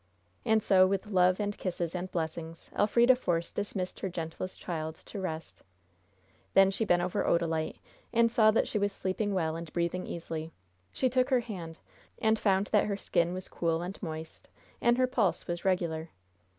And so, with love and kisses and blessings, Elfrida Force dismissed her gentlest child to rest. Then she bent over Odalite, and saw that she was sleeping well and breathing easily. She took her hand, and found that her skin was cool and moist, and her pulse was regular.